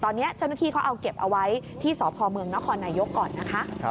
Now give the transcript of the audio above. ตอนนี้เจ้าหน้าที่เขาเอาเก็บเอาไว้ที่สพเมืองนครนายกก่อนนะคะ